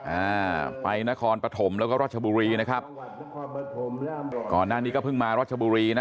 อ่าไปนครปฐมแล้วก็รัชบุรีนะครับก่อนหน้านี้ก็เพิ่งมารัชบุรีนะ